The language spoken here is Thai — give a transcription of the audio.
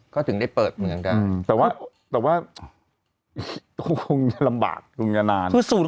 ก็ถึงได้เปิดเหมือนกันแต่ว่าคงจะลำบากคงจะนาน